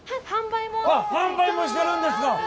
販売もしてるんですか？